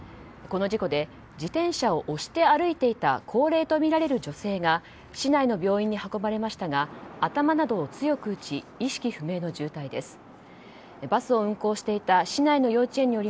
この事故で自転車を押して歩いていた高齢とみられる女性が市内の病院に運ばれましたが頭などを強く打ち意識不明の重体です。